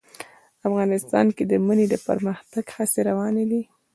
افغانستان کې د منی د پرمختګ هڅې روانې دي.